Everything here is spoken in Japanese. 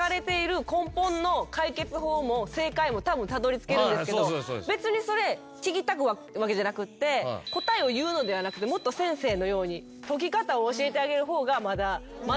正解もたぶんたどりつけるんですけど別にそれ聞きたいわけじゃなくて答えを言うのではなくてもっと先生のように解き方を教えてあげる方がまだいいかも。